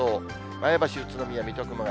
前橋、宇都宮、水戸、熊谷。